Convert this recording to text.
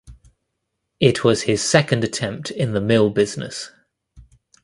It was his second attempt in the mill business.